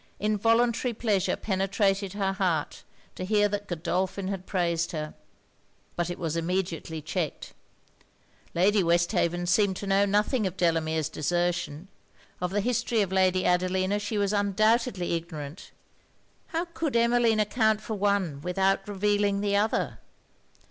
Involuntary pleasure penetrated her heart to hear that Godolphin had praised her. But it was immediately checked. Lady Westhaven seemed to know nothing of Delamere's desertion; of the history of Lady Adelina she was undoubtedly ignorant. How could Emmeline account for one without revealing the other?